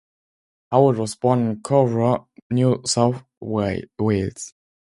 Howard was born in Corowa, New South Wales.